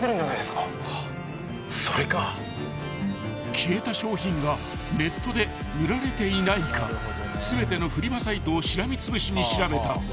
［消えた商品がネットで売られていないか全てのフリマサイトをしらみつぶしに調べた］